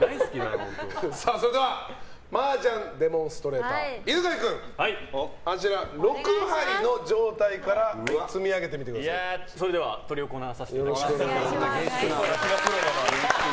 それではマージャンデモンストレーターの犬飼君あちら、６牌の状態からそれでは執り行わさせていただきます。